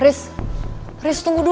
riz riz tunggu dulu